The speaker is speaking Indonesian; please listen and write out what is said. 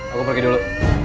aku pergi dulu